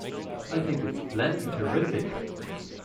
I think it's plenty terrific!